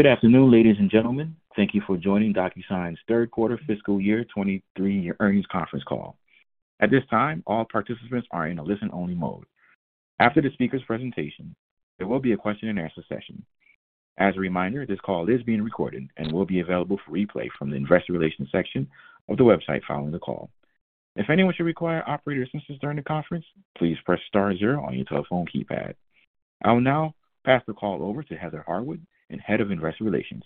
Good afternoon, ladies and gentlemen. Thank you for joining DocuSign's third quarter fiscal year 2023 year earnings conference call. At this time, all participants are in a listen-only mode. After the speaker's presentation, there will be a question and answer session. As a reminder, this call is being recorded and will be available for replay from the investor relations section of the website following the call. If anyone should require operator assistance during the conference, please press star zero on your telephone keypad. I will now pass the call over to Heather Harwood, Head of Investor Relations.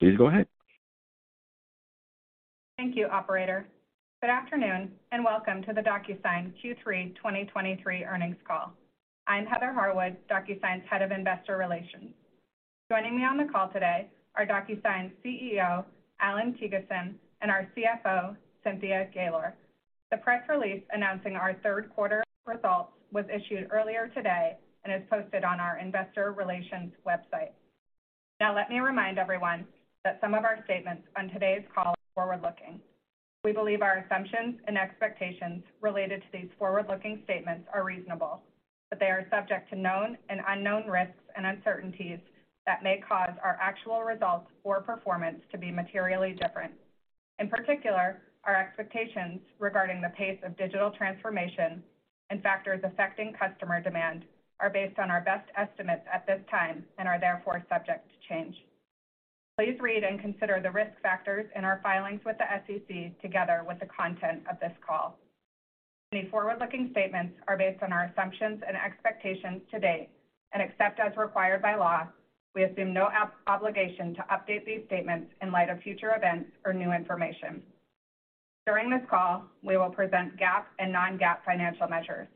Please go ahead. Thank you, operator. Good afternoon and welcome to the DocuSign Q3 2023 earnings call. I'm Heather Harwood, DocuSign's Head of Investor Relations. Joining me on the call today are DocuSign's CEO, Allan Thygesen, and our CFO, Cynthia Gaylor. The press release announcing our third quarter results was issued earlier today and is posted on our investor relations website. Now, let me remind everyone that some of our statements on today's call are forward-looking. We believe our assumptions and expectations related to these forward-looking statements are reasonable, but they are subject to known and unknown risks and uncertainties that may cause our actual results or performance to be materially different. In particular, our expectations regarding the pace of digital transformation and factors affecting customer demand are based on our best estimates at this time and are therefore subject to change. Please read and consider the risk factors in our filings with the SEC together with the content of this call. Any forward-looking statements are based on our assumptions and expectations to date, and except as required by law, we assume no obligation to update these statements in light of future events or new information. During this call, we will present GAAP and non-GAAP financial measures.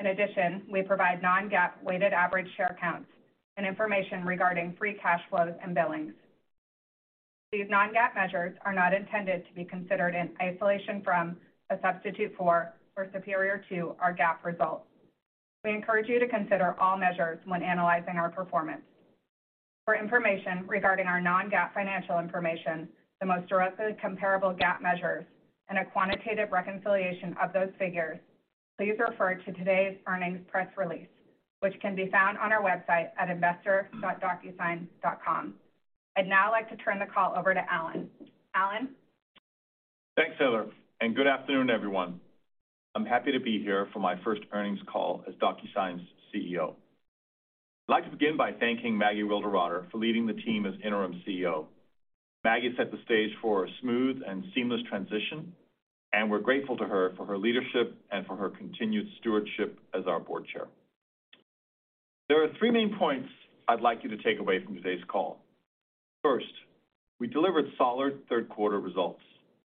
In addition, we provide non-GAAP weighted average share counts and information regarding free cash flows and billings. These non-GAAP measures are not intended to be considered in isolation from, a substitute for, or superior to our GAAP results. We encourage you to consider all measures when analyzing our performance. For information regarding our non-GAAP financial information, the most directly comparable GAAP measures, and a quantitative reconciliation of those figures, please refer to today's earnings press release, which can be found on our website at investor.docusign.com. I'd now like to turn the call over to Allan. Allan? Thanks, Heather. Good afternoon, everyone. I'm happy to be here for my first earnings call as DocuSign's CEO. I'd like to begin by thanking Maggie Wilderotter for leading the team as interim CEO. Maggie set the stage for a smooth and seamless transition. We're grateful to her for her leadership and for her continued stewardship as our Board Chair. There are three main points I'd like you to take away from today's call. First, we delivered solid third-quarter results,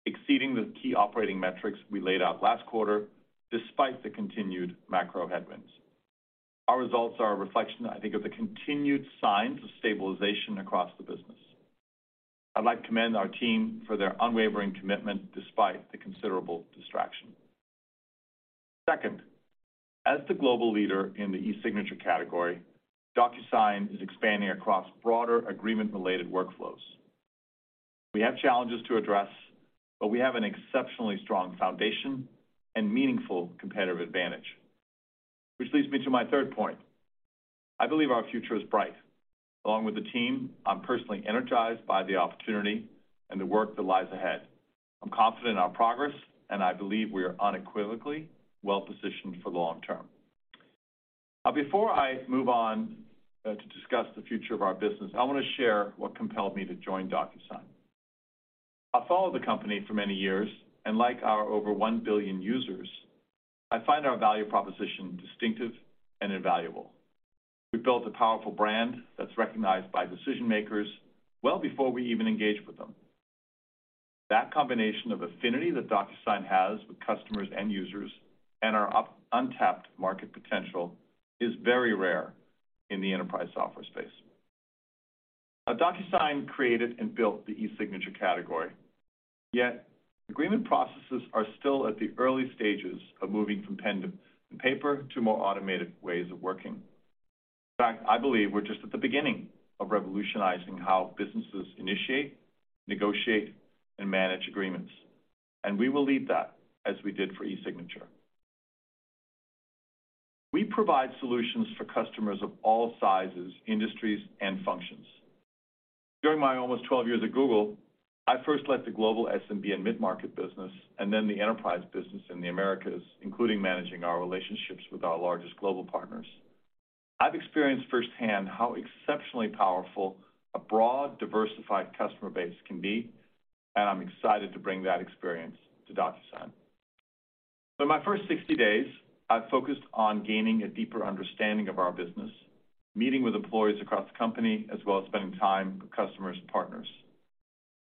exceeding the key operating metrics we laid out last quarter, despite the continued macro headwinds. Our results are a reflection, I think, of the continued signs of stabilization across the business. I'd like to commend our team for their unwavering commitment despite the considerable distraction. Second, as the global leader in the eSignature category, DocuSign is expanding across broader agreement-related workflows. We have challenges to address, but we have an exceptionally strong foundation and meaningful competitive advantage. Which leads me to my third point. I believe our future is bright. Along with the team, I'm personally energized by the opportunity and the work that lies ahead. I'm confident in our progress, and I believe we are unequivocally well-positioned for the long term. Now, before I move on to discuss the future of our business, I wanna share what compelled me to join DocuSign. I've followed the company for many years, and like our over 1 billion users, I find our value proposition distinctive and invaluable. We've built a powerful brand that's recognized by decision-makers well before we even engage with them. That combination of affinity that DocuSign has with customers and users and our untapped market potential is very rare in the enterprise software space. DocuSign created and built the e-signature category, yet agreement processes are still at the early stages of moving from pen and paper to more automated ways of working. In fact, I believe we're just at the beginning of revolutionizing how businesses initiate, negotiate, and manage agreements, and we will lead that as we did for e-signature. We provide solutions for customers of all sizes, industries, and functions. During my almost 12 years at Google, I first led the global SMB and mid-market business and then the enterprise business in the Americas, including managing our relationships with our largest global partners. I've experienced firsthand how exceptionally powerful a broad, diversified customer base can be, and I'm excited to bring that experience to DocuSign. In my first 60 days, I've focused on gaining a deeper understanding of our business, meeting with employees across the company, as well as spending time with customers and partners.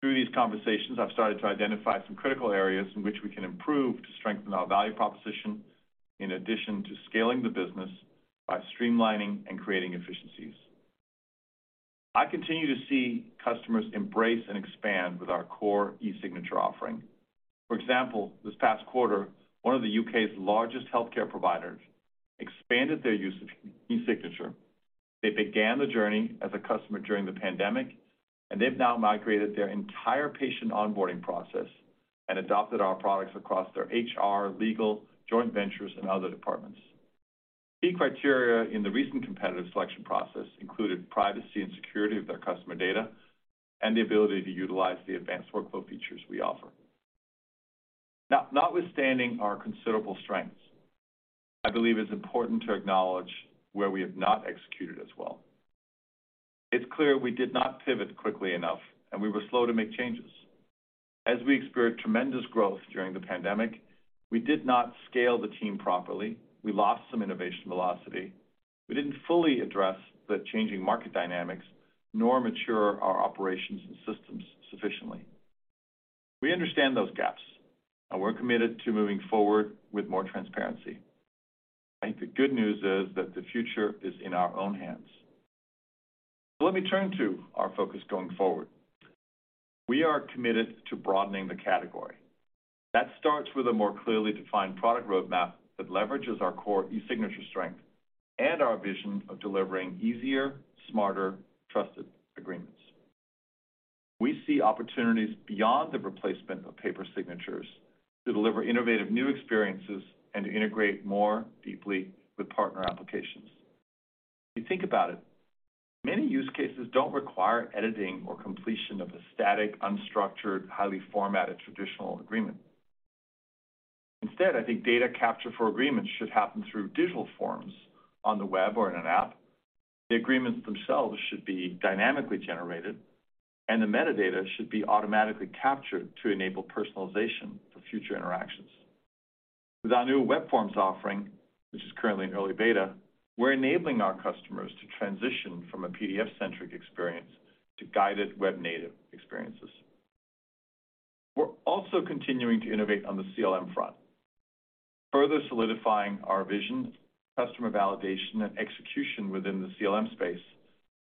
Through these conversations, I've started to identify some critical areas in which we can improve to strengthen our value proposition, in addition to scaling the business by streamlining and creating efficiencies. I continue to see customers embrace and expand with our core eSignature offering. For example, this past quarter, one of the U.K.'s largest healthcare providers expanded their use of eSignature. They began the journey as a customer during the pandemic, and they've now migrated their entire patient onboarding process and adopted our products across their HR, legal, joint ventures, and other departments. Key criteria in the recent competitive selection process included privacy and security of their customer data and the ability to utilize the advanced workflow features we offer. Notwithstanding our considerable strengths, I believe it's important to acknowledge where we have not executed as well. It's clear we did not pivot quickly enough, and we were slow to make changes. As we experienced tremendous growth during the pandemic, we did not scale the team properly, we lost some innovation velocity. We didn't fully address the changing market dynamics, nor mature our operations and systems sufficiently. We understand those gaps, and we're committed to moving forward with more transparency. I think the good news is that the future is in our own hands. Let me turn to our focus going forward. We are committed to broadening the category. That starts with a more clearly defined product roadmap that leverages our core eSignature strength and our vision of delivering easier, smarter, trusted agreements. We see opportunities beyond the replacement of paper signatures to deliver innovative new experiences and to integrate more deeply with partner applications. If you think about it, many use cases don't require editing or completion of the static, unstructured, highly formatted traditional agreement. Instead, I think data capture for agreements should happen through digital forms on the web or in an app. The agreements themselves should be dynamically generated, and the metadata should be automatically captured to enable personalization for future interactions. With our new Web Forms offering, which is currently in early beta, we're enabling our customers to transition from a PDF-centric experience to guided web native experiences. We're also continuing to innovate on the CLM front, further solidifying our vision, customer validation, and execution within the CLM space.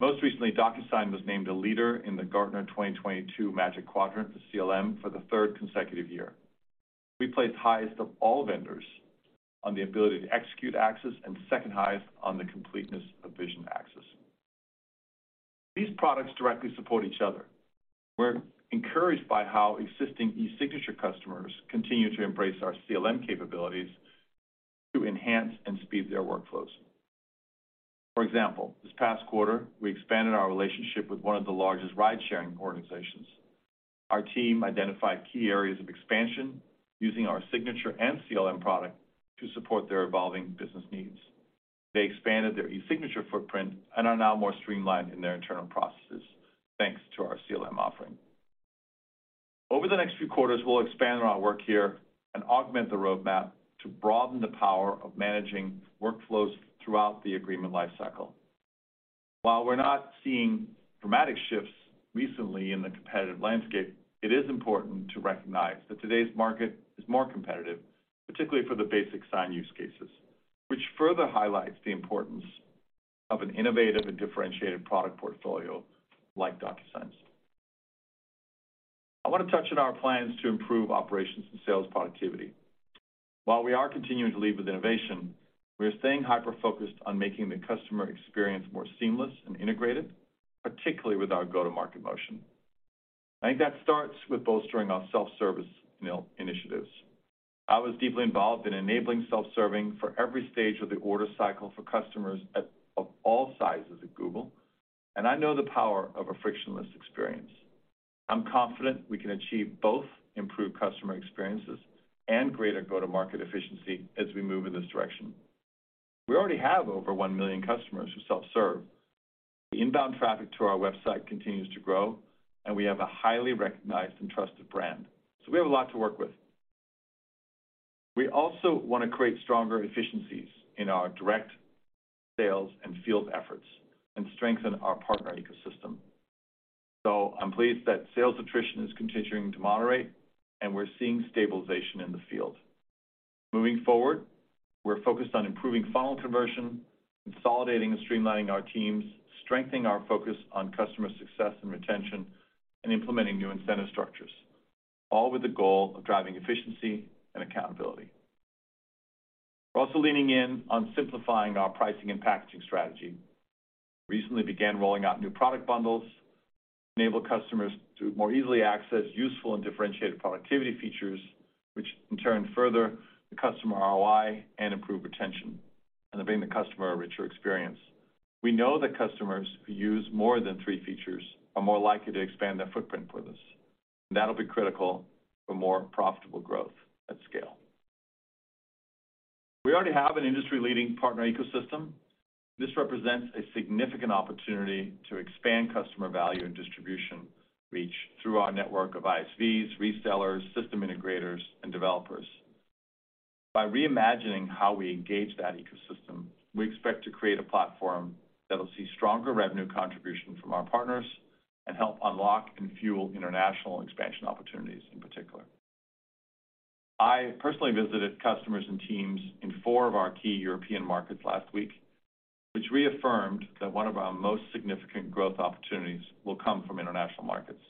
Most recently, DocuSign was named a leader in the Gartner 2022 Magic Quadrant for CLM for the third consecutive year. We placed highest of all vendors on the ability to execute axis and second highest on the completeness of vision axis. These products directly support each other. We're encouraged by how existing eSignature customers continue to embrace our CLM capabilities to enhance and speed their workflows. For example, this past quarter, we expanded our relationship with one of the largest ride-sharing organizations. Our team identified key areas of expansion using our eSignature and CLM product to support their evolving business needs. They expanded their eSignature footprint and are now more streamlined in their internal processes thanks to our CLM offering. Over the next few quarters, we'll expand our work here and augment the roadmap to broaden the power of managing workflows throughout the agreement lifecycle. While we're not seeing dramatic shifts recently in the competitive landscape, it is important to recognize that today's market is more competitive, particularly for the basic sign use cases, which further highlights the importance of an innovative and differentiated product portfolio like DocuSign's. I wanna touch on our plans to improve operations and sales productivity. While we are continuing to lead with innovation, we are staying hyper-focused on making the customer experience more seamless and integrated, particularly with our go-to-market motion. I think that starts with bolstering our self-service initiatives. I was deeply involved in enabling self-serving for every stage of the order cycle for customers at, of all sizes at Google, and I know the power of a frictionless experience. I'm confident we can achieve both improved customer experiences and greater go-to-market efficiency as we move in this direction. We already have over 1 million customers who self-serve. The inbound traffic to our website continues to grow, and we have a highly recognized and trusted brand, so we have a lot to work with. We also wanna create stronger efficiencies in our direct sales and field efforts and strengthen our partner ecosystem. I'm pleased that sales attrition is continuing to moderate, and we're seeing stabilization in the field. Moving forward, we're focused on improving funnel conversion, consolidating and streamlining our teams, strengthening our focus on customer success and retention, and implementing new incentive structures, all with the goal of driving efficiency and accountability. We're also leaning in on simplifying our pricing and packaging strategy. Recently began rolling out new product bundles, enable customers to more easily access useful and differentiated productivity features, which in turn further the customer ROI and improve retention and giving the customer a richer experience. We know that customers who use more than three features are more likely to expand their footprint with us. That'll be critical for more profitable growth at scale. We already have an industry-leading partner ecosystem. This represents a significant opportunity to expand customer value and distribution reach through our network of ISVs, resellers, system integrators, and developers. By reimagining how we engage that ecosystem, we expect to create a platform that'll see stronger revenue contribution from our partners and help unlock and fuel international expansion opportunities in particular. I personally visited customers and teams in 4 of our key European markets last week, which reaffirmed that one of our most significant growth opportunities will come from international markets.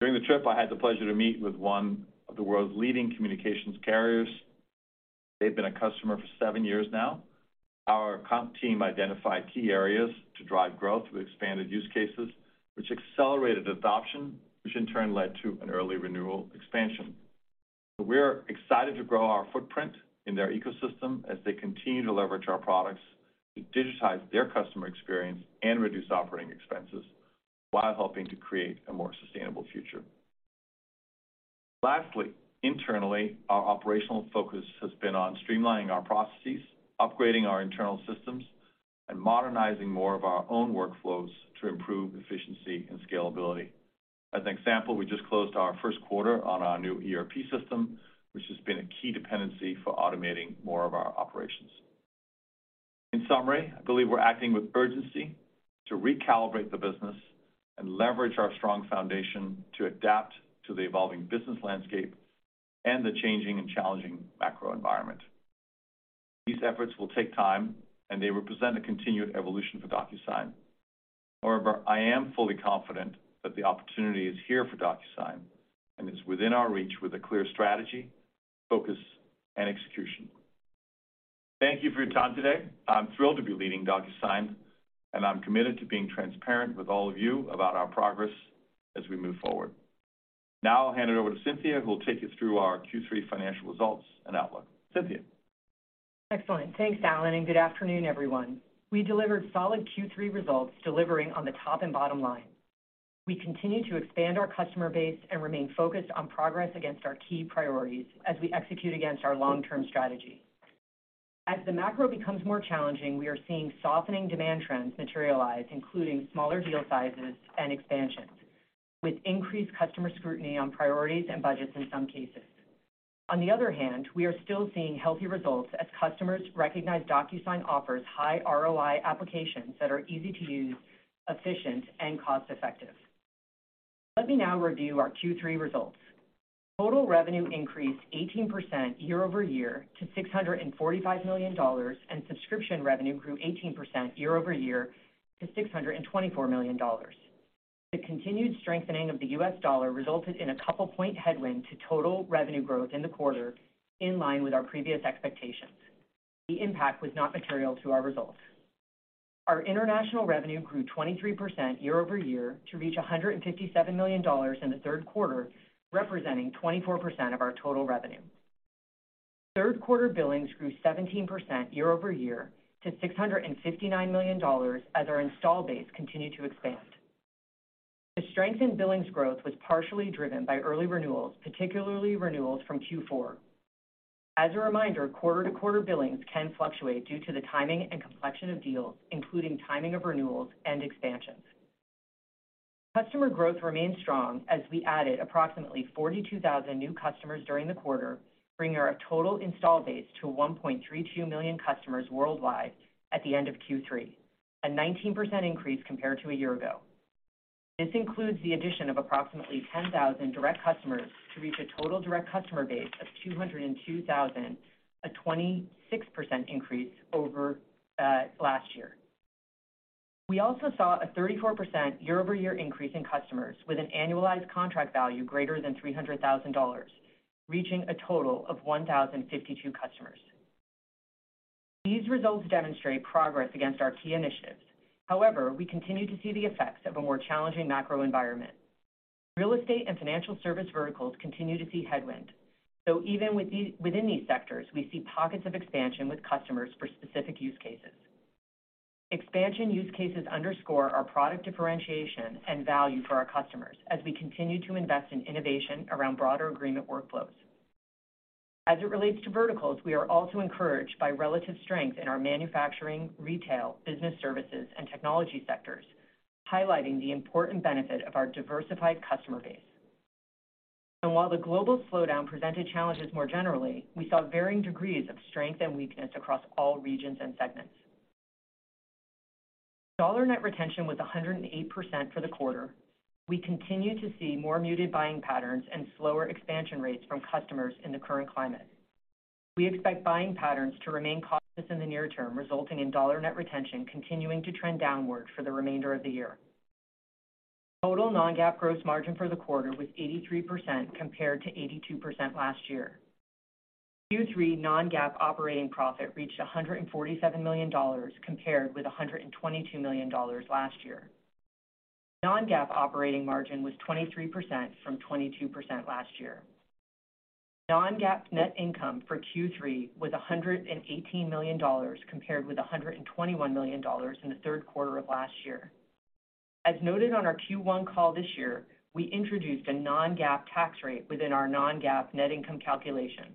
During the trip, I had the pleasure to meet with one of the world's leading communications carriers. They've been a customer for seven years now. Our comp team identified key areas to drive growth with expanded use cases, which accelerated adoption, which in turn led to an early renewal expansion. We are excited to grow our footprint in their ecosystem as they continue to leverage our products to digitize their customer experience and reduce operating expenses while helping to create a more sustainable future. Internally, our operational focus has been on streamlining our processes, upgrading our internal systems, and modernizing more of our own workflows to improve efficiency and scalability. As an example, we just closed our first quarter on our new ERP system, which has been a key dependency for automating more of our operations. I believe we're acting with urgency to recalibrate the business and leverage our strong foundation to adapt to the evolving business landscape and the changing and challenging macro environment. These efforts will take time, and they represent a continued evolution for DocuSign. However, I am fully confident that the opportunity is here for DocuSign, and it's within our reach with a clear strategy, focus, and execution. Thank you for your time today. I'm thrilled to be leading DocuSign, and I'm committed to being transparent with all of you about our progress as we move forward. Now I'll hand it over to Cynthia, who will take us through our Q3 financial results and outlook. Cynthia. Excellent. Thanks, Allan, and good afternoon, everyone. We delivered solid Q3 results, delivering on the top and bottom line. We continue to expand our customer base and remain focused on progress against our key priorities as we execute against our long-term strategy. As the macro becomes more challenging, we are seeing softening demand trends materialize, including smaller deal sizes and expansions, with increased customer scrutiny on priorities and budgets in some cases. On the other hand, we are still seeing healthy results as customers recognize DocuSign offers high ROI applications that are easy to use, efficient, and cost-effective. Let me now review our Q3 results. Total revenue increased 18% year-over-year to $645 million, and subscription revenue grew 18% year-over-year to $624 million. The continued strengthening of the US dollar resulted in a couple-point headwind to total revenue growth in the quarter in line with our previous expectations. The impact was not material to our results. Our international revenue grew 23% year-over-year to reach $157 million in the third quarter, representing 24% of our total revenue. Third quarter billings grew 17% year-over-year to $659 million as our install base continued to expand. The strength in billings growth was partially driven by early renewals, particularly renewals from Q4. As a reminder, quarter-to-quarter billings can fluctuate due to the timing and complexion of deals, including timing of renewals and expansions. Customer growth remains strong as we added approximately 42,000 new customers during the quarter, bringing our total install base to 1.32 million customers worldwide at the end of Q3, a 19% increase compared to a year ago. This includes the addition of approximately 10,000 direct customers to reach a total direct customer base of 202,000, a 26% increase over last year. We also saw a 34% year-over-year increase in customers with an annualized contract value greater than $300,000, reaching a total of 1,052 customers. These results demonstrate progress against our key initiatives. We continue to see the effects of a more challenging macro environment. Real estate and financial service verticals continue to see headwind. Even within these sectors, we see pockets of expansion with customers for specific use cases. Expansion use cases underscore our product differentiation and value for our customers as we continue to invest in innovation around broader agreement workflows. As it relates to verticals, we are also encouraged by relative strength in our manufacturing, retail, business services, and technology sectors, highlighting the important benefit of our diversified customer base. While the global slowdown presented challenges more generally, we saw varying degrees of strength and weakness across all regions and segments. Dollar net retention was 108% for the quarter. We continue to see more muted buying patterns and slower expansion rates from customers in the current climate. We expect buying patterns to remain cautious in the near term, resulting in dollar net retention continuing to trend downward for the remainder of the year. Total non-GAAP gross margin for the quarter was 83% compared to 82% last year. Q3 non-GAAP operating profit reached $147 million compared with $122 million last year. Non-GAAP operating margin was 23% from 22% last year. Non-GAAP net income for Q3 was $118 million compared with $121 million in the third quarter of last year. As noted on our Q1 call this year, we introduced a non-GAAP tax rate within our non-GAAP net income calculation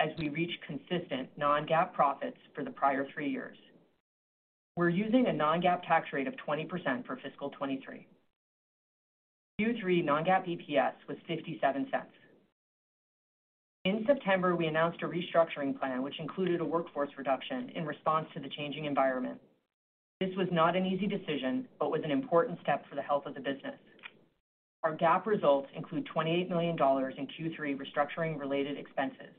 as we reach consistent non-GAAP profits for the prior 3 years. We're using a non-GAAP tax rate of 20% for fiscal 2023. Q3 non-GAAP EPS was $0.57. In September, we announced a restructuring plan which included a workforce reduction in response to the changing environment. This was not an easy decision, was an important step for the health of the business. Our GAAP results include $28 million in Q3 restructuring related expenses.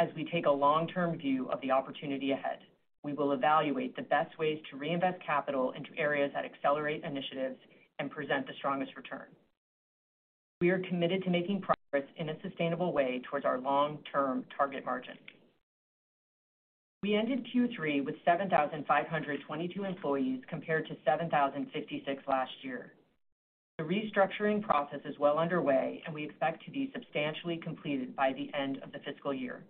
As we take a long-term view of the opportunity ahead, we will evaluate the best ways to reinvest capital into areas that accelerate initiatives and present the strongest return. We are committed to making progress in a sustainable way towards our long-term target margin. We ended Q3 with 7,522 employees compared to 7,056 last year. The restructuring process is well underway, and we expect to be substantially completed by the end of the fiscal year.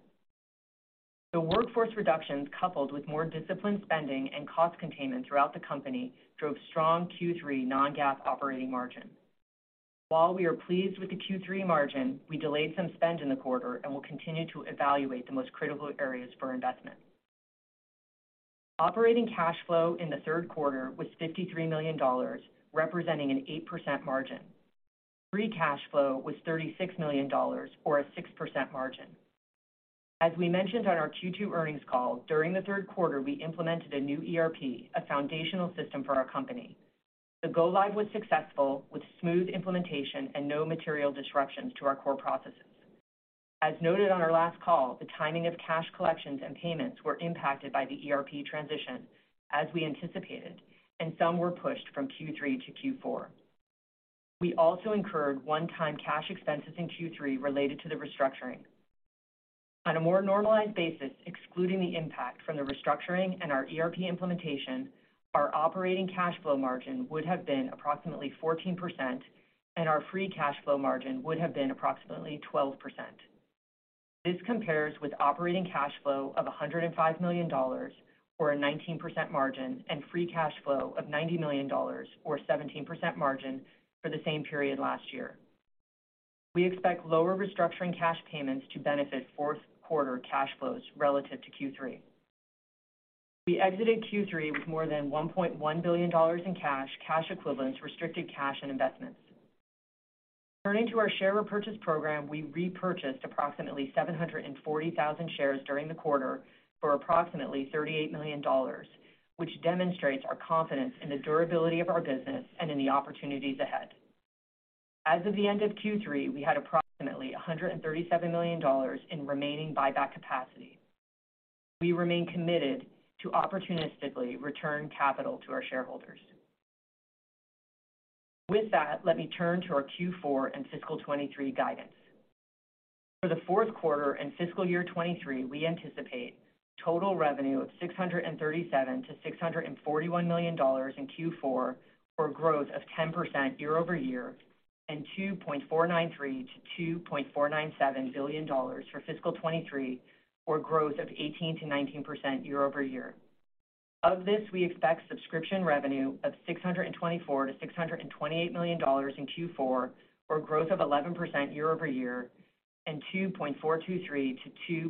The workforce reductions, coupled with more disciplined spending and cost containment throughout the company, drove strong Q3 non-GAAP operating margin. While we are pleased with the Q3 margin, we delayed some spend in the quarter and will continue to evaluate the most critical areas for investment. Operating cash flow in the third quarter was $53 million, representing an 8% margin. Free cash flow was $36 million or a 6% margin. As we mentioned on our Q2 earnings call, during the third quarter, we implemented a new ERP, a foundational system for our company. The go-live was successful with smooth implementation and no material disruptions to our core processes. As noted on our last call, the timing of cash collections and payments were impacted by the ERP transition, as we anticipated, and some were pushed from Q3 to Q4. We also incurred one-time cash expenses in Q3 related to the restructuring. On a more normalized basis, excluding the impact from the restructuring and our ERP implementation, our operating cash flow margin would have been approximately 14%, and our free cash flow margin would have been approximately 12%. This compares with operating cash flow of $105 million or a 19% margin, and free cash flow of $90 million or 17% margin for the same period last year. We expect lower restructuring cash payments to benefit fourth quarter cash flows relative to Q3. We exited Q3 with more than $1.1 billion in cash equivalents, restricted cash, and investments. Turning to our share repurchase program, we repurchased approximately 740,000 shares during the quarter for approximately $38 million, which demonstrates our confidence in the durability of our business and in the opportunities ahead. As of the end of Q three, we had approximately $137 million in remaining buyback capacity. We remain committed to opportunistically return capital to our shareholders. With that, let me turn to our Q four and fiscal 2023 guidance. For the fourth quarter and fiscal year 2023, we anticipate total revenue of $637 million-$641 million in Q four, for growth of 10% year-over-year, and $2.493 billion-$2.497 billion for fiscal 2023, for growth of 18%-19% year-over-year. Of this, we expect subscription revenue of $624 million-$628 million in Q4, for growth of 11% year-over-year, and $2.423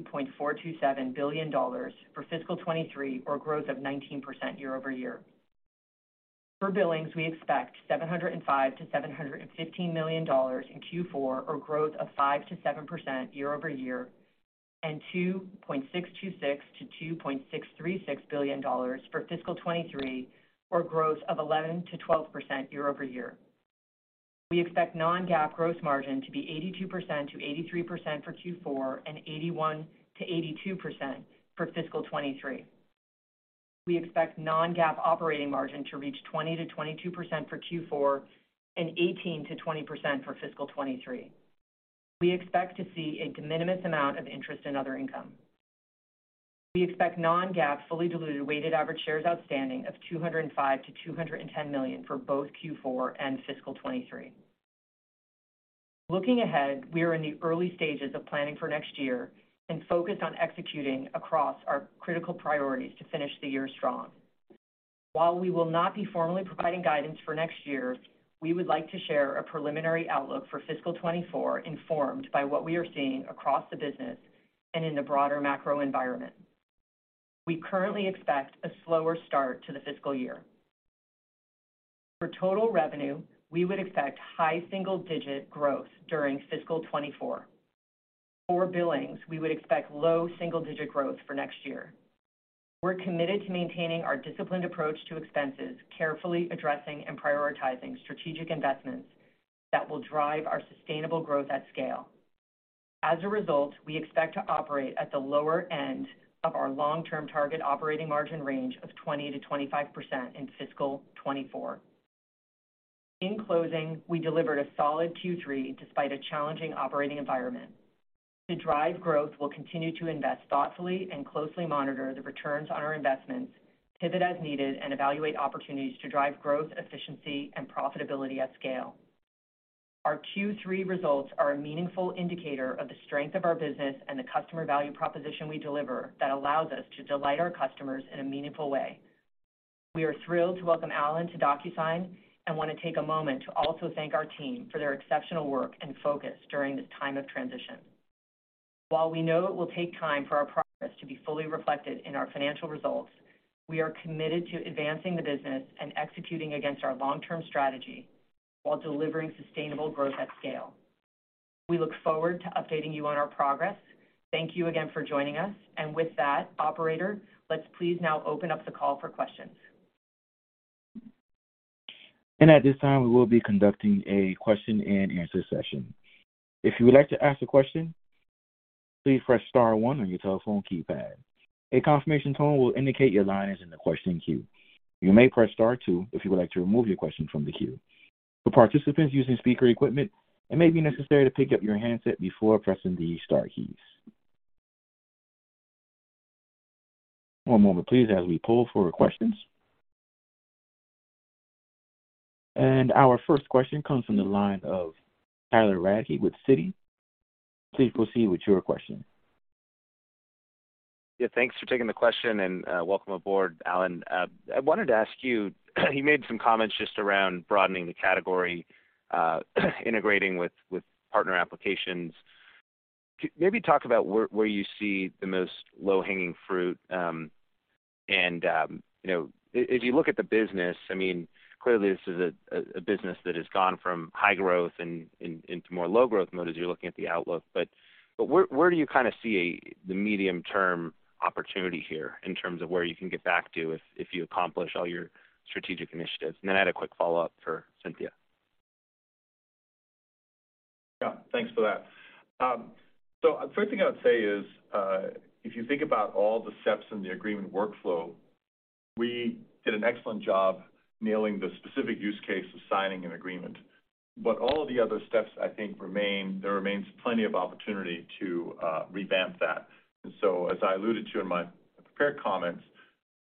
billion-$2.427 billion for fiscal 2023, for growth of 19% year-over-year. For billings, we expect $705 million-$715 million in Q4, or growth of 5%-7% year-over-year, and $2.626 billion-$2.636 billion for fiscal 2023, or growth of 11%-12% year-over-year. We expect non-GAAP gross margin to be 82%-83% for Q4 and 81%-82% for fiscal 2023. We expect non-GAAP operating margin to reach 20%-22% for Q4 and 18%-20% for fiscal 2023. We expect to see a de minimis amount of interest in other income. We expect non-GAAP fully diluted weighted average shares outstanding of 205 million-210 million for both Q4 and fiscal 2023. Looking ahead, we are in the early stages of planning for next year and focused on executing across our critical priorities to finish the year strong. While we will not be formally providing guidance for next year, we would like to share a preliminary outlook for fiscal 2024, informed by what we are seeing across the business and in the broader macro environment. We currently expect a slower start to the fiscal year. For total revenue, we would expect high single-digit growth during fiscal 2024. For billings, we would expect low single-digit growth for next year. We're committed to maintaining our disciplined approach to expenses, carefully addressing and prioritizing strategic investments that will drive our sustainable growth at scale. As a result, we expect to operate at the lower end of our long-term target operating margin range of 20%-25% in fiscal 2024. In closing, we delivered a solid Q3 despite a challenging operating environment. To drive growth, we'll continue to invest thoughtfully and closely monitor the returns on our investments, pivot as needed, and evaluate opportunities to drive growth, efficiency, and profitability at scale. Our Q3 results are a meaningful indicator of the strength of our business and the customer value proposition we deliver that allows us to delight our customers in a meaningful way. We are thrilled to welcome Allan to DocuSign and want to take a moment to also thank our team for their exceptional work and focus during this time of transition. While we know it will take time for our progress to be fully reflected in our financial results, we are committed to advancing the business and executing against our long-term strategy while delivering sustainable growth at scale. We look forward to updating you on our progress. Thank you again for joining us. With that, operator, let's please now open up the call for questions. At this time, we will be conducting a question and answer session. If you would like to ask a question. Please press star one on your telephone keypad. A confirmation tone will indicate your line is in the question queue. You may press star two if you would like to remove your question from the queue. For participants using speaker equipment, it may be necessary to pick up your handset before pressing the star keys. One moment please as we pull for questions. Our first question comes from the line of Tyler Radke with Citi. Please proceed with your question. Yeah, thanks for taking the question, and welcome aboard, Allan. I wanted to ask you made some comments just around broadening the category, integrating with partner applications. Maybe talk about where you see the most low-hanging fruit, and, you know, if you look at the business, I mean, clearly this is a business that has gone from high growth and into more low growth mode as you're looking at the outlook. Where do you kinda see the medium-term opportunity here in terms of where you can get back to if you accomplish all your strategic initiatives? I had a quick follow-up for Cynthia. Yeah. Thanks for that. First thing I would say is, if you think about all the steps in the agreement workflow, we did an excellent job nailing the specific use case of signing an agreement. All of the other steps, I think, there remains plenty of opportunity to revamp that. As I alluded to in my prepared comments,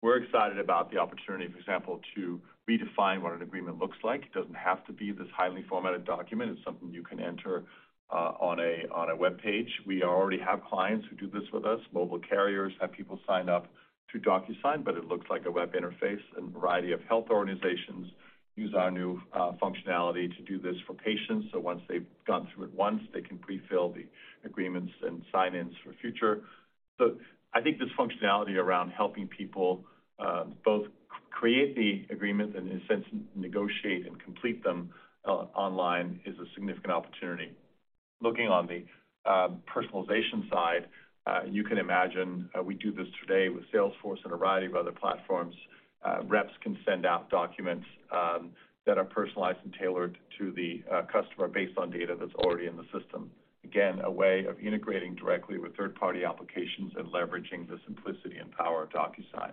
we're excited about the opportunity, for example, to redefine what an agreement looks like. It doesn't have to be this highly formatted document. It's something you can enter on a webpage. We already have clients who do this with us. Mobile carriers have people sign up through DocuSign, but it looks like a web interface, and a variety of health organizations use our new functionality to do this for patients. Once they've gone through it once, they can pre-fill the agreements and sign-ins for future. I think this functionality around helping people both create the agreement and in a sense negotiate and complete them online is a significant opportunity. Looking on the personalization side, you can imagine, we do this today with Salesforce and a variety of other platforms. Reps can send out documents that are personalized and tailored to the customer based on data that's already in the system. Again, a way of integrating directly with third-party applications and leveraging the simplicity and power of DocuSign.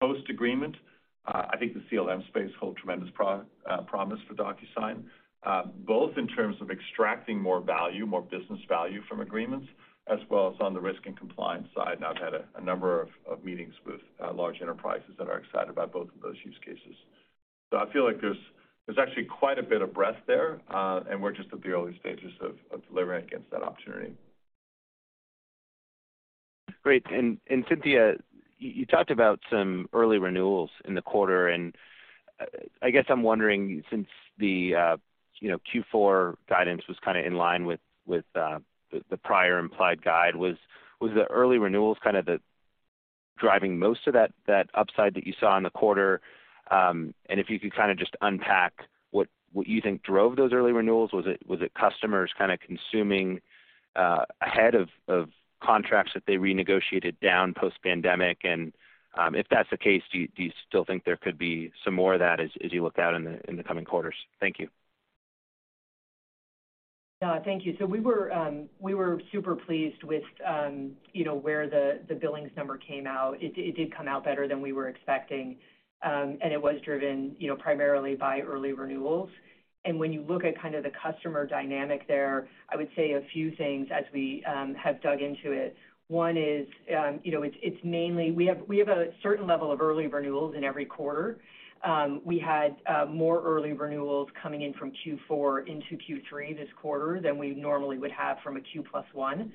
Post-agreement, I think the CLM space hold tremendous promise for DocuSign, both in terms of extracting more value, more business value from agreements, as well as on the risk and compliance side. I've had a number of meetings with large enterprises that are excited about both of those use cases. I feel like there's actually quite a bit of breadth there, and we're just at the early stages of delivering against that opportunity. Great. Cynthia, you talked about some early renewals in the quarter, and I guess I'm wondering, since the, you know, Q4 guidance was kinda in line with the prior implied guide, was the early renewals kinda the driving most of that upside that you saw in the quarter? If you could kinda just unpack what you think drove those early renewals. Was it customers kinda consuming ahead of contracts that they renegotiated down post-pandemic? If that's the case, do you still think there could be some more of that as you look out in the coming quarters? Thank you. No, thank you. We were super pleased with, you know, where the billings number came out. It did come out better than we were expecting, and it was driven, you know, primarily by early renewals. When you look at kinda the customer dynamic there, I would say a few things as we have dug into it. One is, you know, it's mainly. We have a certain level of early renewals in every quarter. We had more early renewals coming in from Q four into Q three this quarter than we normally would have from a Q plus one.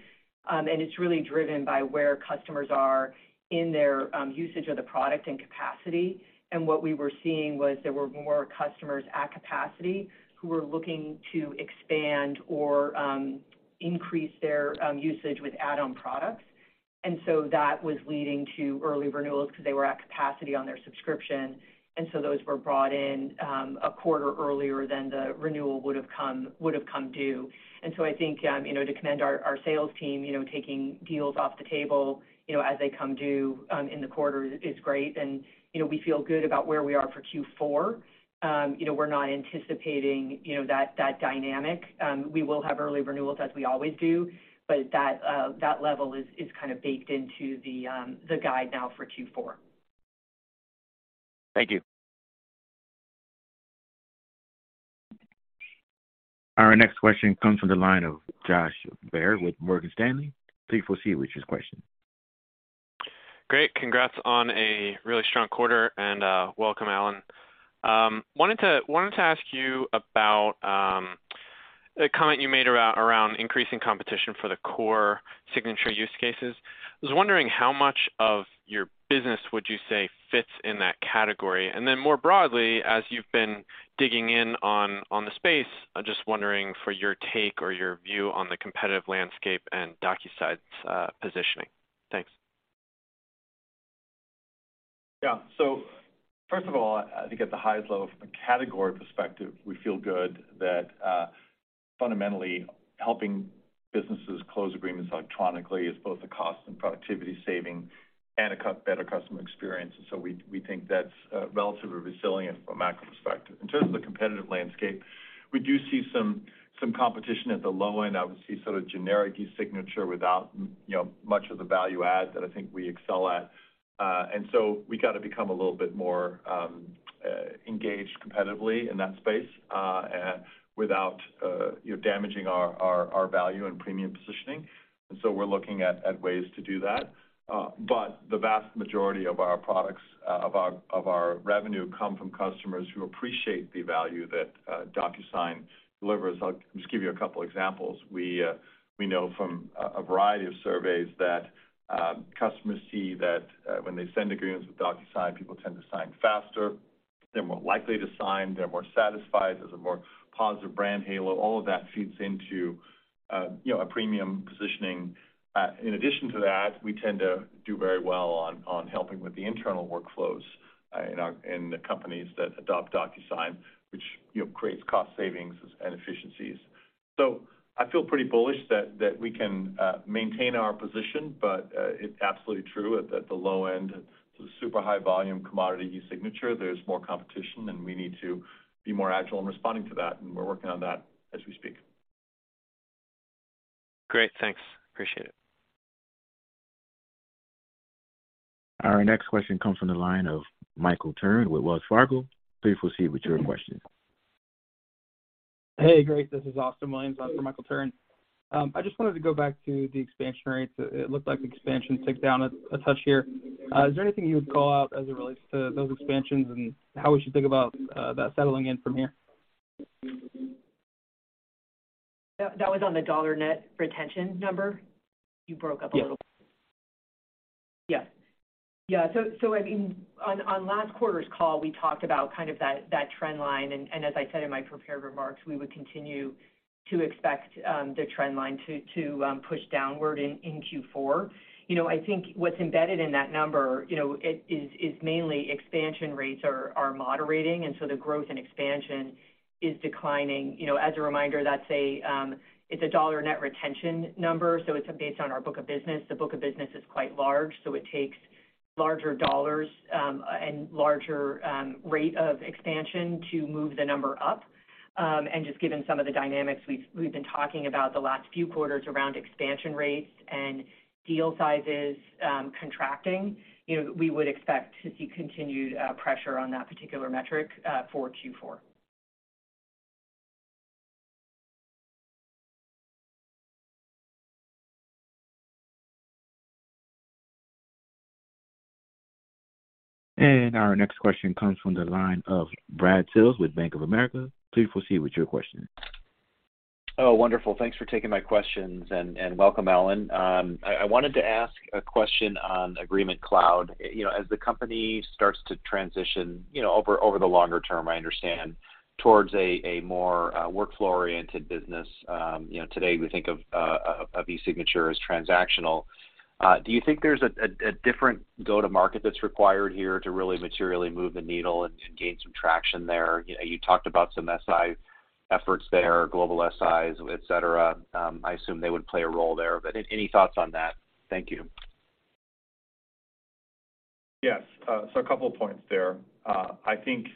It's really driven by where customers are in their usage of the product and capacity. What we were seeing was there were more customers at capacity who were looking to expand or, increase their, usage with add-on products. That was leading to early renewals 'cause they were at capacity on their subscription, so those were brought in, a quarter earlier than the renewal would've come due. I think, you know, to commend our sales team, you know, taking deals off the table, you know, as they come due, in the quarter is great. You know, we feel good about where we are for Q4. You know, we're not anticipating, you know, that dynamic. We will have early renewals as we always do, but that level is kind of baked into the guide now for Q4. Thank you. Our next question comes from the line of Josh Baer with Morgan Stanley. Please proceed with your question. Great. Congrats on a really strong quarter. Welcome, Allan. Wanted to ask you about a comment you made around increasing competition for the core signature use cases. I was wondering how much of your business would you say fits in that category? More broadly, as you've been digging in on the space, I'm just wondering for your take or your view on the competitive landscape and DocuSign's positioning. Thanks. First of all, I think at the highest level from a category perspective, we feel good that fundamentally helping businesses close agreements electronically is both a cost and productivity saving and a better customer experience. We think that's relatively resilient from a macro perspective. In terms of the competitive landscape, we do see some competition at the low end. I would see sort of generic eSignature without, you know, much of the value-add that I think we excel at. We got to become a little bit more engaged competitively in that space without damaging our value and premium positioning. We're looking at ways to do that. The vast majority of our products, of our revenue come from customers who appreciate the value that DocuSign delivers. I'll just give you a couple examples. We know from a variety of surveys that customers see that when they send agreements with DocuSign, people tend to sign faster, they're more likely to sign, they're more satisfied, there's a more positive brand halo. All of that feeds into, you know, a premium positioning. In addition to that, we tend to do very well on helping with the internal workflows in the companies that adopt DocuSign, which, you know, creates cost savings and efficiencies. I feel pretty bullish that we can maintain our position, but it's absolutely true at the low end to the super high volume commodity e-signature, there's more competition, and we need to be more agile in responding to that, and we're working on that as we speak. Great. Thanks. Appreciate it. Our next question comes from the line of Michael Turrin with Wells Fargo. Please proceed with your question. Hey, great. This is Austin Williams for Michael Turrin. I just wanted to go back to the expansion rates. It looked like expansion ticked down a touch here. Is there anything you would call out as it relates to those expansions and how we should think about that settling in from here? That was on the dollar net retention number? You broke up a little bit. Yeah. Yeah. I mean, on last quarter's call, we talked about kind of that trend line. As I said in my prepared remarks, we would continue to expect the trend line to push downward in Q4. You know, I think what's embedded in that number, you know, it is mainly expansion rates are moderating, and so the growth and expansion is declining. You know, as a reminder, that's a dollar net retention number, so it's based on our book of business. The book of business is quite large, so it takes larger dollars and larger rate of expansion to move the number up. Just given some of the dynamics we've been talking about the last few quarters around expansion rates and deal sizes, contracting, you know, we would expect to see continued pressure on that particular metric for Q4. Our next question comes from the line of Brad Sills with Bank of America. Please proceed with your question. Oh, wonderful. Thanks for taking my questions, and welcome, Allan. I wanted to ask a question on Agreement Cloud. You know, as the company starts to transition, you know, over the longer term, I understand, towards a more workflow-oriented business, you know, today we think of eSignature as transactional. Do you think there's a different go-to-market that's required here to really materially move the needle and gain some traction there? You know, you talked about some SI efforts there, global SIs, et cetera. I assume they would play a role there, but any thoughts on that? Thank you. Yes. A couple of points there. I think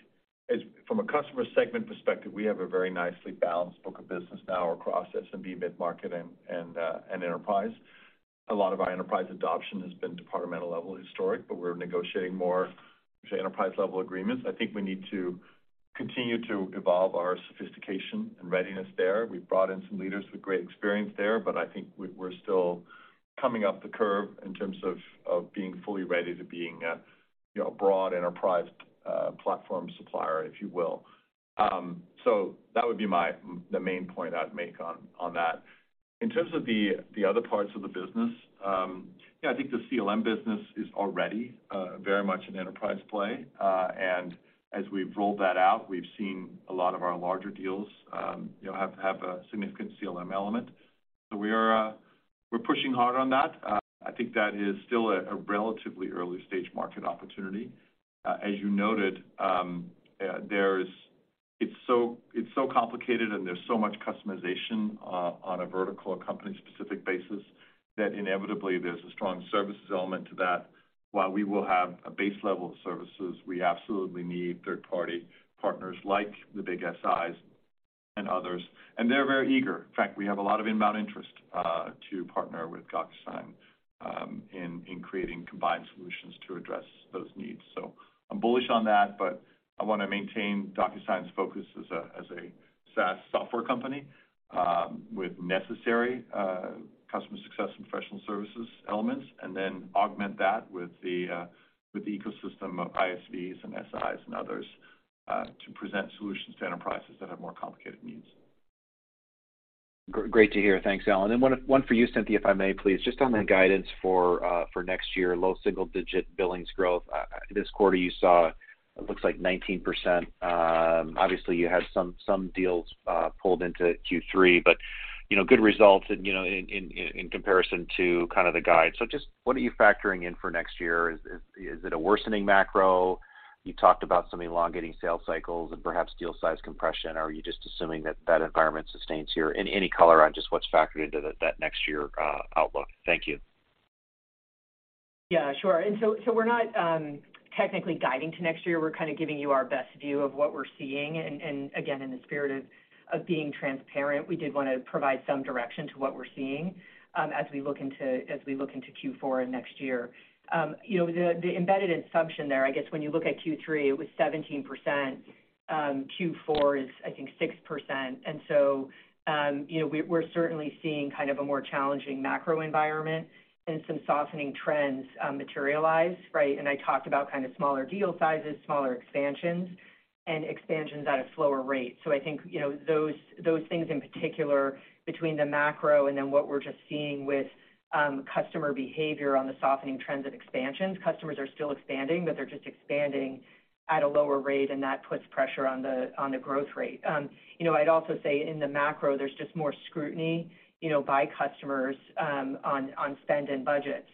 as from a customer segment perspective, we have a very nicely bAllanced book of business now across SMB mid-market and enterprise. A lot of our enterprise adoption has been departmental level historic, but we're negotiating more enterprise-level agreements. I think we need to continue to evolve our sophistication and readiness there. We've brought in some leaders with great experience there, but I think we're still coming up the curve in terms of being fully ready to being a, you know, broad enterprise platform supplier, if you will. That would be the main point I'd make on that. In terms of the other parts of the business, yeah, I think the CLM business is already very much an enterprise play. As we've rolled that out, we've seen a lot of our larger deals, you know, have a significant CLM element. We are, we're pushing hard on that. I think that is still a relatively early-stage market opportunity. As you noted, it's so complicated, and there's so much customization on a vertical or company-specific basis that inevitably there's a strong services element to that. While we will have a base level of services, we absolutely need third-party partners like the big SIs and others, and they're very eager. In fact, we have a lot of inbound interest to partner with DocuSign in creating combined solutions to address those needs. I'm bullish on that, but I wanna maintain DocuSign's focus as a SaaS software company, with necessary customer success and professional services elements, and then augment that with the ecosystem of ISVs and SIs and others, to present solutions to enterprises that have more complicated needs. Great to hear. Thanks, Allan. One for you, Cynthia, if I may, please. Sure. Just on the guidance for next year, low single-digit billings growth. This quarter, you saw looks like 19%. Obviously, you had some deals pulled into Q3, but, you know, good results in, you know, in comparison to kind of the guide. Just what are you factoring in for next year? Is it a worsening macro? You talked about some elongating sales cycles and perhaps deal size compression. Are you just assuming that that environment sustains here? Any color on just what's factored into that next year, outlook. Thank you. We're not technically guiding to next year. We're kind of giving you our best view of what we're seeing. Again, in the spirit of being transparent, we did wanna provide some direction to what we're seeing as we look into Q4 and next year. You know, the embedded assumption there, I guess, when you look at Q3, it was 17%. Q4 is, I think, 6%. You know, we're certainly seeing kind of a more challenging macro environment and some softening trends materialize, right? I talked about kind of smaller deal sizes, smaller expansions, and expansions at a slower rate. I think, you know, those things in particular between the macro and then what we're just seeing with customer behavior on the softening trends of expansions. Customers are still expanding, but they're just expanding at a lower rate, and that puts pressure on the growth rate. You know, I'd also say in the macro, there's just more scrutiny, you know, by customers on spend and budgets.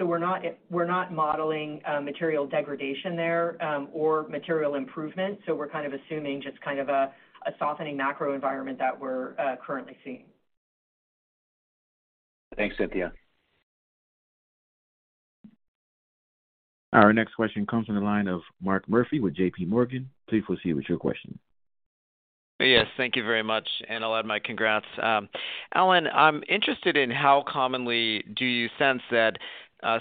We're not, we're not modeling material degradation there or material improvement. We're kind of assuming just kind of a softening macro environment that we're currently seeing. Thanks, Cynthia. Our next question comes from the line of Mark Murphy with JPMorgan. Please proceed with your question. Yes, thank you very much. I'll add my congrats. Allan, I'm interested in how commonly do you sense that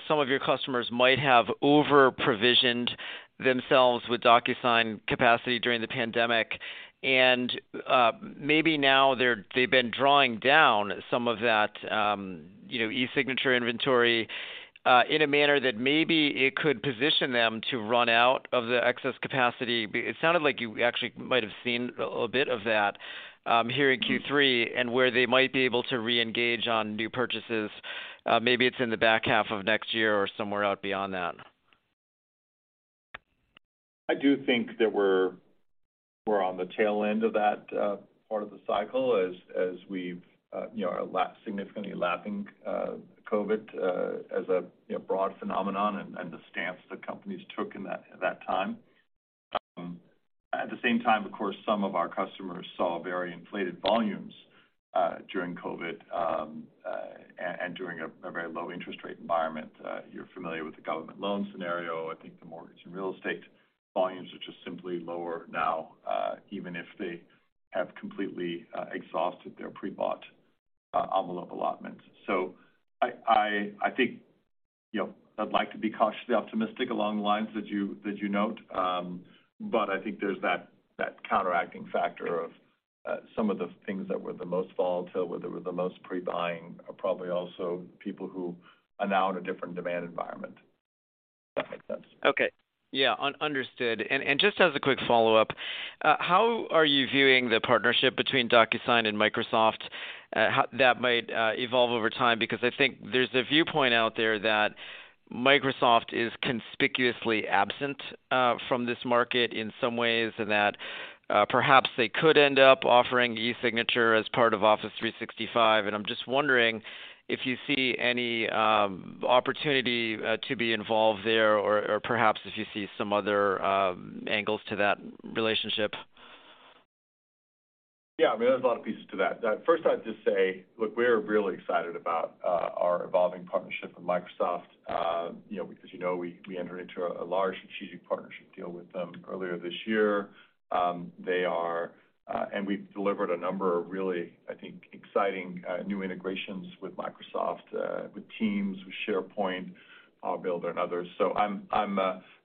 some of your customers might have over-provisioned themselves with DocuSign capacity during the pandemic, and maybe now they've been drawing down some of that, you know, e-signature inventory, in a manner that maybe it could position them to run out of the excess capacity. It sounded like you actually might have seen a bit of that here in Q3 and where they might be able to reengage on new purchases. Maybe it's in the back half of next year or somewhere out beyond that? I do think that we're on the tail end of that part of the cycle as we've, you know, are significantly lapping COVID, as a, you know, broad phenomenon and the stance that companies took at that time. At the same time, of course, some of our customers saw very inflated volumes during COVID, and during a very low interest rate environment. You're familiar with the government loan scenario. I think the mortgage and real estate volumes are just simply lower now, even if they have completely exhausted their pre-bought envelope allotment. I think, you know, I'd like to be cautiously optimistic along the lines that you note. I think there's that counteracting factor of some of the things that were the most volatile or that were the most pre-buying are probably also people who are now in a different demand environment, if that makes sense. Okay. Yeah. Understood. Just as a quick follow-up, how are you viewing the partnership between DocuSign and Microsoft? How that might evolve over time, because I think there's a viewpoint out there that Microsoft is conspicuously absent from this market in some ways, and that perhaps they could end up offering eSignature as part of Microsoft 365. I'm just wondering if you see any opportunity to be involved there or perhaps if you see some other angles to that relationship. Yeah. I mean, there's a lot of pieces to that. First, I'd just say, look, we're really excited about our evolving partnership with Microsoft, you know, because, you know, we entered into a large strategic partnership deal with them earlier this year. They are, and we've delivered a number of really, I think, exciting new integrations with Microsoft, with Teams, with SharePoint, Power Platform and others. I'm,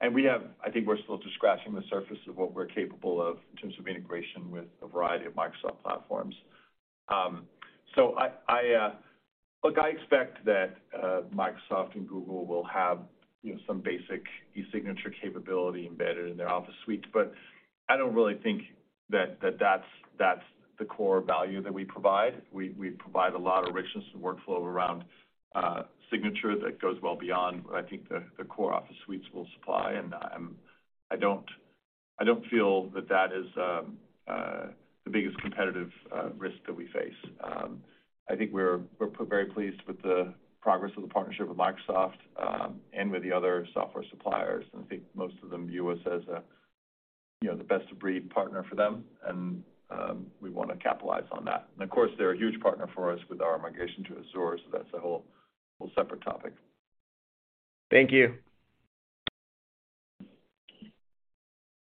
and we have... I think we're still just scratching the surface of what we're capable of in terms of integration with a variety of Microsoft platforms. I, Look, I expect that Microsoft and Google will have, you know, some basic e-signature capability embedded in their Office suites, but I don't really think that that's the core value that we provide. We provide a lot of richness and workflow around signature that goes well beyond what I think the core Office suites will supply. I don't feel that that is the biggest competitive risk that we face. I think we're very pleased with the progress of the partnership with Microsoft, and with the other software suppliers. I think most of them view us as a, you know, the best-of-breed partner for them, and we wanna capitalize on that. Of course, they're a huge partner for us with our migration to Azure, that's a whole separate topic. Thank you.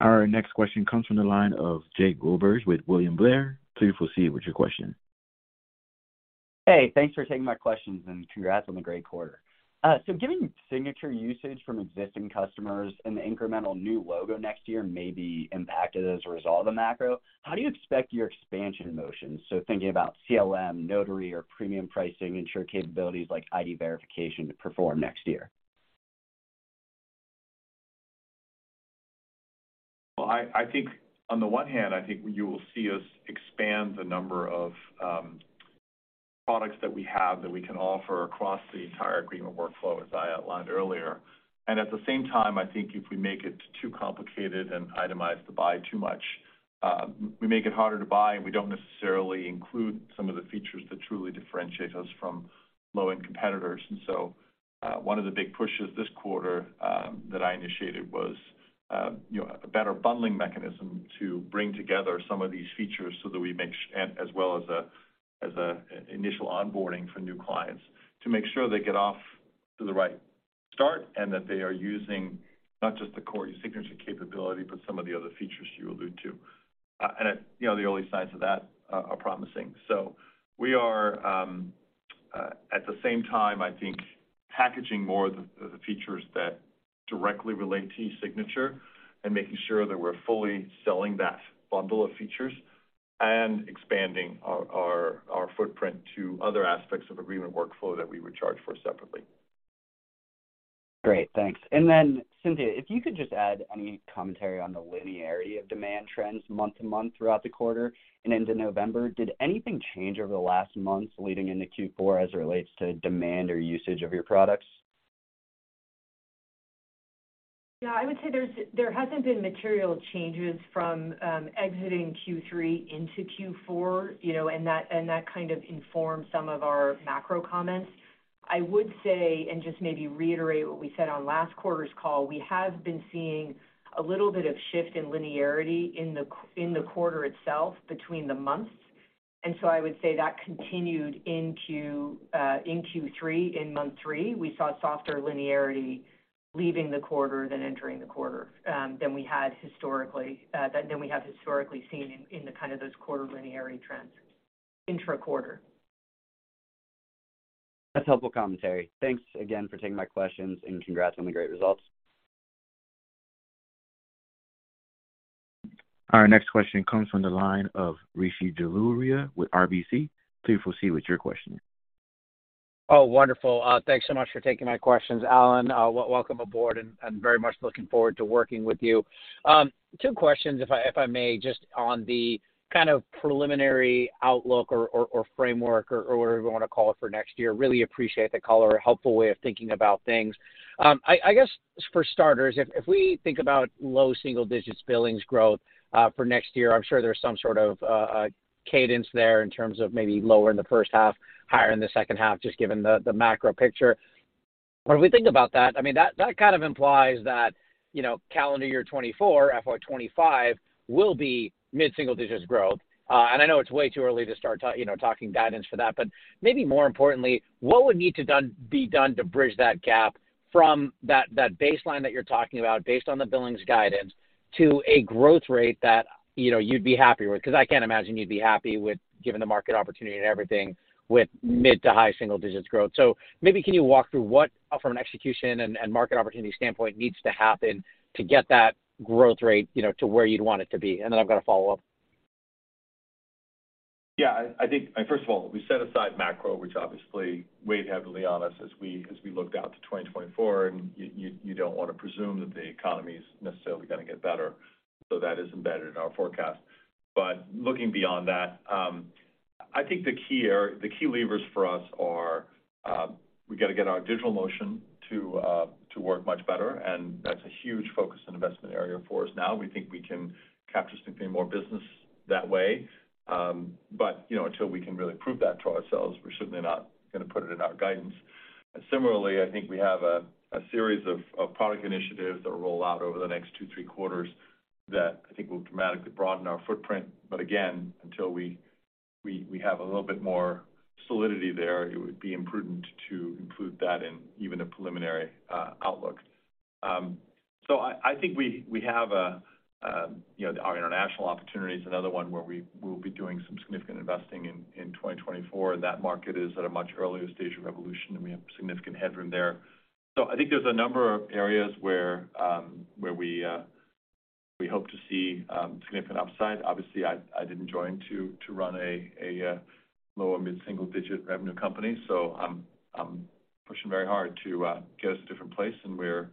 Our next question comes from the line of Jake Roberge with William Blair. Please proceed with your question. Hey, thanks for taking my questions, and congrats on the great quarter. Given signature usage from existing customers and the incremental new logo next year may be impacted as a result of the macro, how do you expect your expansion motions, thinking about CLM, Notary or premium pricing, ensure capabilities like ID Verification to perform next year? Well, I think on the one hand, I think you will see us expand the number of products that we have that we can offer across the entire agreement workflow, as I outlined earlier. At the same time, I think if we make it too complicated and itemize the buy too much. We make it harder to buy, and we don't necessarily include some of the features that truly differentiate us from low-end competitors. One of the big pushes this quarter, you know, that I initiated was a better bundling mechanism to bring together some of these features and as well as an initial onboarding for new clients to make sure they get off to the right start, and that they are using not just the core eSignature capability, but some of the other features you allude to. You know, the early signs of that are promising. We are at the same time, I think, packaging more of the features that directly relate to eSignature and making sure that we're fully selling that bundle of features and expanding our footprint to other aspects of agreement workflow that we would charge for separately. Great. Thanks. Cynthia, if you could just add any commentary on the linearity of demand trends month-to-month throughout the quarter and into November. Did anything change over the last months leading into Q4 as it relates to demand or usage of your products? Yeah, I would say there hasn't been material changes from exiting Q3 into Q4, you know, and that kind of informed some of our macro comments. I would say, and just maybe reiterate what we said on last quarter's call, we have been seeing a little bit of shift in linearity in the quarter itself between the months. I would say that continued into Q3. In month three, we saw softer linearity leaving the quarter than entering the quarter than we have historically seen in the kind of those quarter linearity trends intra-quarter. That's helpful commentary. Thanks again for taking my questions, and congrats on the great results. Our next question comes from the line of Rishi Jaluria with RBC. Please proceed with your question. Wonderful. Thanks so much for taking my questions. Allan, welcome aboard, and very much looking forward to working with you. Two questions if I may, just on the kind of preliminary outlook or framework or whatever you wanna call it for next year. Really appreciate the color, helpful way of thinking about things. I guess for starters, if we think about low single-digits billings growth for next year, I'm sure there's some sort of cadence there in terms of maybe lower in the first half, higher in the second half, just given the macro picture. When we think about that, I mean, that kind of implies that, you know, calendar year 2024, FY 2025 will be mid-single-digits growth. I know it's way too early to start you know, talking guidance for that, but maybe more importantly, what would need to be done to bridge that gap from that baseline that you're talking about based on the billings guidance to a growth rate that, you know, you'd be happier with? Because I can't imagine you'd be happy with, given the market opportunity and everything, with mid to high single digits growth. Maybe can you walk through what from an execution and market opportunity standpoint needs to happen to get that growth rate, you know, to where you'd want it to be? Then I've got a follow-up. Yeah. I think First of all, we set aside macro, which obviously weighed heavily on us as we looked out to 2024, and you don't wanna presume that the economy is necessarily gonna get better. That is embedded in our forecast. Looking beyond that, I think the key levers for us are, we gotta get our digital motion to work much better, and that's a huge focus and investment area for us now. We think we can capture significantly more business that way. You know, until we can really prove that to ourselves, we're certainly not gonna put it in our guidance. Similarly, I think we have a series of product initiatives that will roll out over the next 2, 3 quarters that I think will dramatically broaden our footprint. Again, until we have a little bit more solidity there, it would be imprudent to include that in even a preliminary outlook. I think we have a, you know, our international opportunity is another one where we will be doing some significant investing in 2024. That market is at a much earlier stage of evolution, and we have significant headroom there. I think there's a number of areas where we hope to see significant upside. Obviously, I didn't join to run a low or mid-single-digit revenue company, so I'm pushing very hard to get us to a different place. We're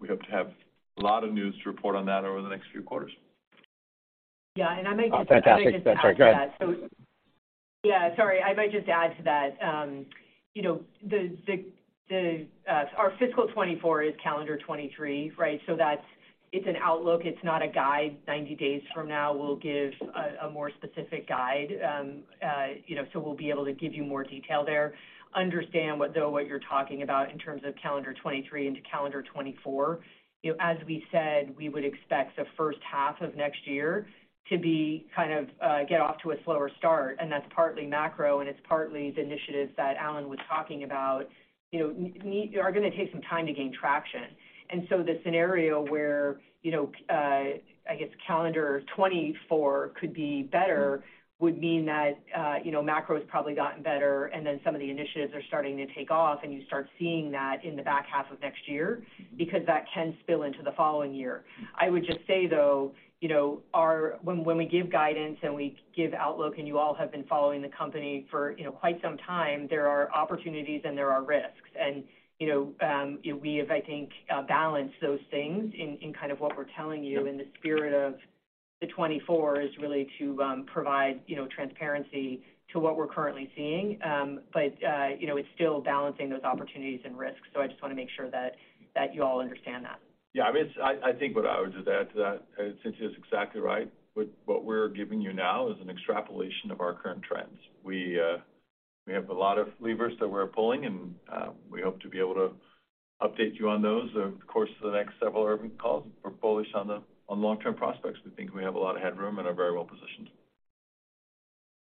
we hope to have a lot of news to report on that over the next few quarters. Yeah. Fantastic. That's fair. Go ahead. Yeah. Sorry. I might just add to that. you know, our fiscal 2024 is calendar 2023, right? It's an outlook, it's not a guide. 90 days from now, we'll give a more specific guide. you know, we'll be able to give you more detail there. Understand what, though, what you're talking about in terms of calendar 2023 into calendar 2024. You know, as we said, we would expect the first half of next year to be kind of, get off to a slower start, and that's partly macro, and it's partly the initiatives that Allan was talking about, you know, are gonna take some time to gain traction. The scenario where, you know, I guess calendar 2024 could be better would mean that, you know, macro's probably gotten better, and then some of the initiatives are starting to take off, and you start seeing that in the back half of next year because that can spill into the following year. I would just say, though, you know, when we give guidance and we give outlook, and you all have been following the company for, you know, quite some time, there are opportunities and there are risks. You know, we have, I think, balanced those things in kind of what we're telling you in the spirit of the 2024 is really to provide, you know, transparency to what we're currently seeing. But, you know, it's still bAllancing those opportunities and risks. I just wanna make sure that you all understand that. Yeah. I mean, I think what I would just add to that, Cynthia's exactly right. What we're giving you now is an extrapolation of our current trends. We have a lot of levers that we're pulling, and we hope to be able to update you on those over the course of the next several earnings calls. We're bullish on long-term prospects. We think we have a lot of headroom and are very well-positioned.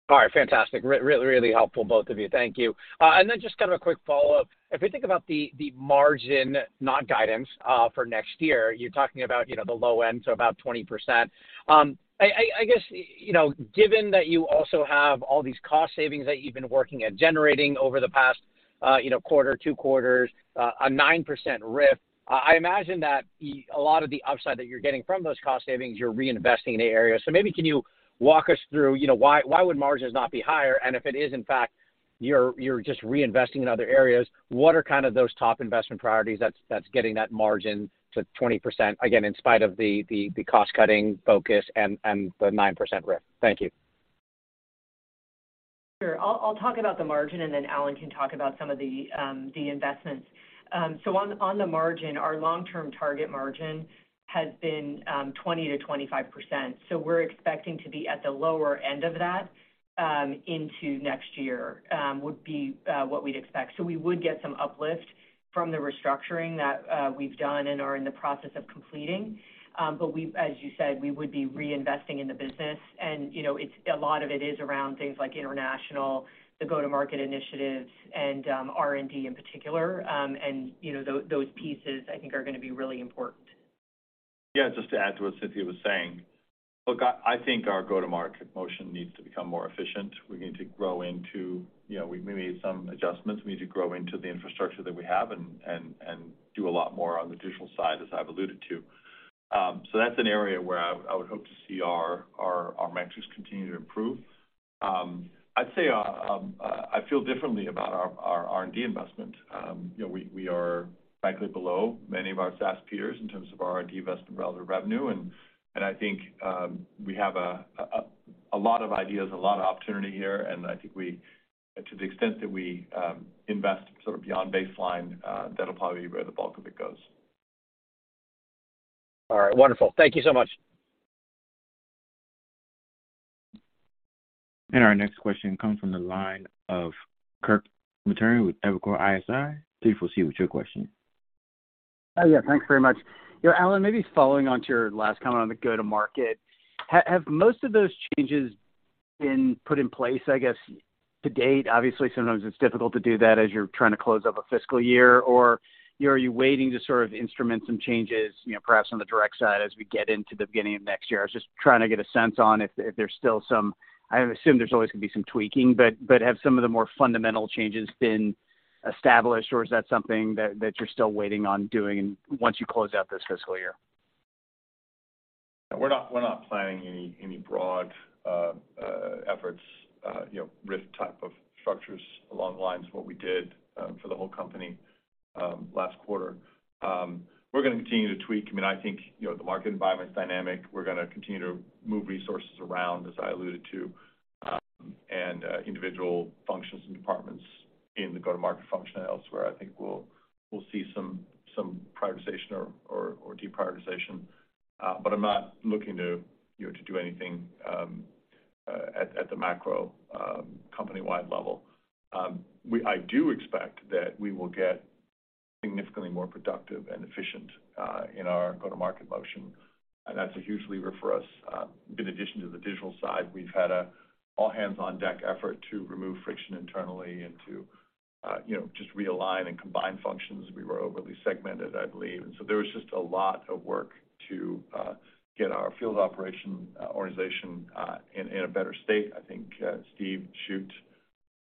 All right. Fantastic. Really helpful, both of you. Thank you. Just kind of a quick follow-up. If we think about the margin, not guidance, for next year, you're talking about, you know, the low end, so about 20%. I guess, you know, given that you also have all these cost savings that you've been working at generating over the past, you know, quarter, 2 quarters, a 9% RIF, I imagine that a lot of the upside that you're getting from those cost savings, you're reinvesting in the area. Maybe can you walk us through, you know, why would margins not be higher, and if it is, in fact, you're just reinvesting in other areas, what are kind of those top investment priorities that's getting that margin to 20%, again, in spite of the cost-cutting focus and the 9% RIF? Thank you. Sure. I'll talk about the margin, and then Allan can talk about some of the investments. on the margin, our long-term target margin has been 20%-25%. we're expecting to be at the lower end of that into next year would be what we'd expect. We would get some uplift from the restructuring that we've done and are in the process of completing. we've, as you said, we would be reinvesting in the business and, you know, it's a lot of it is around things like international, the go-to-market initiatives and R&D in particular. you know, those pieces I think are gonna be really important. Just to add to what Cynthia was saying. Look, I think our go-to-market motion needs to become more efficient. We need to grow into, you know, we may need some adjustments. We need to grow into the infrastructure that we have and do a lot more on the digital side, as I've alluded to. That's an area where I would hope to see our metrics continue to improve. I'd say, I feel differently about our R&D investment. You know, we are frankly below many of our SaaS peers in terms of our R&D investment relative revenue. I think we have a lot of ideas, a lot of opportunity here, and I think we, to the extent that we invest sort of beyond baseline, that'll probably be where the bulk of it goes. All right. Wonderful. Thank you so much. Our next question comes from the line of Kirk Materne with Evercore ISI. Please proceed with your question. Oh, yeah. Thanks very much. You know, Allan, maybe following on to your last comment on the go-to-market, have most of those changes been put in place, I guess, to date? Obviously, sometimes it's difficult to do that as you're trying to close up a fiscal year. You know, are you waiting to sort of instrument some changes, you know, perhaps on the direct side as we get into the beginning of next year? I was just trying to get a sense on if there's still some... I assume there's always gonna be some tweaking, but have some of the more fundamental changes been established, or is that something that you're still waiting on doing once you close out this fiscal year? We're not planning any broad efforts, you know, RIF type of structures along the lines of what we did for the whole company last quarter. We're gonna continue to tweak. I mean, I think, you know, the market environment is dynamic. We're gonna continue to move resources around, as I alluded to. Individual functions and departments in the go-to-market function and elsewhere, I think we'll see some prioritization or deprioritization. I'm not looking to, you know, to do anything at the macro, company-wide level. I do expect that we will get significantly more productive and efficient in our go-to-market motion, and that's a huge lever for us. In addition to the digital side, we've had a all-hands-on-deck effort to remove friction internally and to, you know, just realign and combine functions. We were overly segmented, I believe. There was just a lot of work to get our field operation organization in a better state. I think Steve Shute,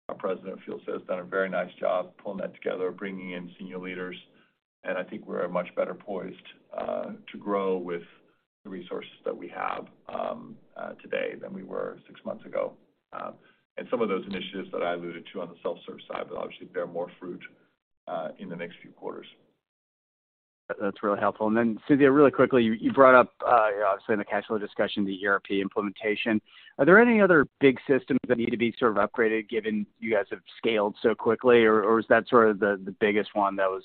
our President of Field Sales, has done a very nice job pulling that together, bringing in senior leaders, and I think we're much better poised to grow with the resources that we have today than we were 6 months ago. Some of those initiatives that I alluded to on the self-service side will obviously bear more fruit in the next few quarters. That's really helpful. Then, Cynthia, really quickly, you brought up obviously in the cash flow discussion, the ERP implementation. Are there any other big systems that need to be sort of upgraded given you guys have scaled so quickly, or is that sort of the biggest one that was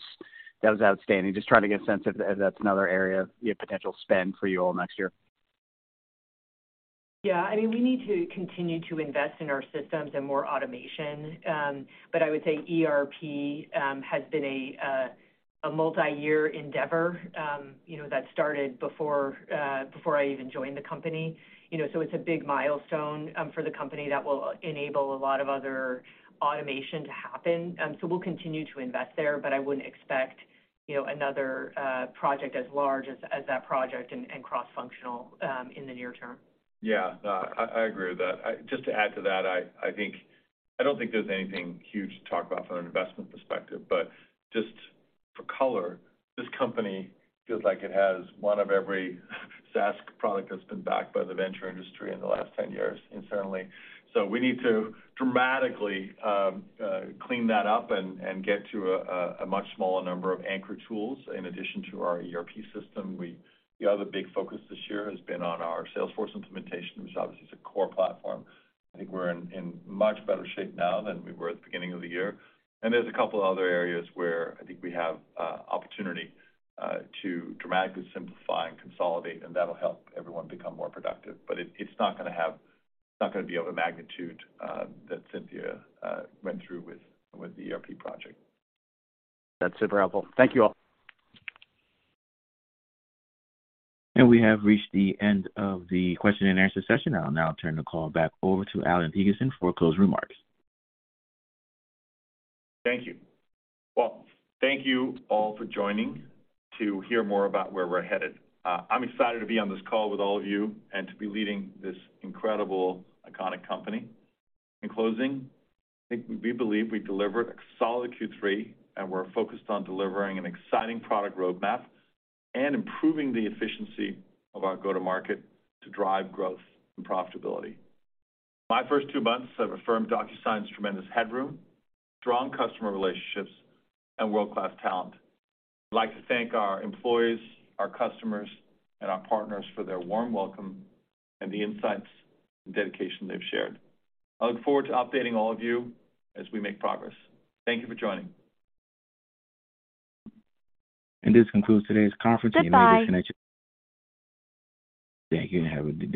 outstanding? Just trying to get a sense if that's another area you have potential spend for you all next year. I mean, we need to continue to invest in our systems and more automation. I would say ERP has been a multi-year endeavor, you know, that started before I even joined the company. You know, it's a big milestone for the company that will enable a lot of other automation to happen. We'll continue to invest there, but I wouldn't expect, you know, another project as large as that project and cross-functional in the near term. Yeah. No, I agree with that. Just to add to that, I don't think there's anything huge to talk about from an investment perspective, but just for color, this company feels like it has one of every SaaS product that's been backed by the venture industry in the last 10 years, certainly. We need to dramatically clean that up and get to a much smaller number of anchor tools in addition to our ERP system. The other big focus this year has been on our Salesforce implementation, which obviously is a core platform. I think we're in much better shape now than we were at the beginning of the year. There's a couple of other areas where I think we have opportunity to dramatically simplify and consolidate, and that'll help everyone become more productive. It's not gonna be of a magnitude, that Cynthia went through with the ERP project. That's super helpful. Thank you all. We have reached the end of the question and answer session. I'll now turn the call back over to Allan Thygesen for closing remarks. Thank you. Well, thank you all for joining to hear more about where we're headed. I'm excited to be on this call with all of you and to be leading this incredible, iconic company. In closing, I think we believe we delivered a solid Q3, and we're focused on delivering an exciting product roadmap and improving the efficiency of our go-to-market to drive growth and profitability. My first two months have affirmed DocuSign's tremendous headroom, strong customer relationships, and world-class talent. I'd like to thank our employees, our customers, and our partners for their warm welcome and the insights and dedication they've shared. I look forward to updating all of you as we make progress. Thank you for joining. This concludes today's conference. Goodbye. You may disconnect. Thank you, and have a good day.